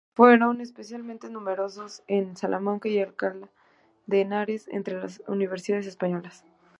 Fueron especialmente numerosos en Salamanca y Alcalá de Henares, entre las universidades españolas.